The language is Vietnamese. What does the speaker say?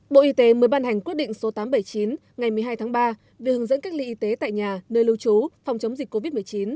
bộ y tế mới ban hành quyết định số tám trăm bảy mươi chín ngày một mươi hai tháng ba về hướng dẫn cách ly y tế tại nhà nơi lưu trú phòng chống dịch covid một mươi chín